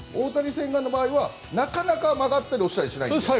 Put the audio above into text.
千賀の場合はなかなか曲がったり落ちたりしないので。